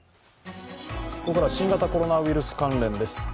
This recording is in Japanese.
ここからは新型コロナウイルス関連です。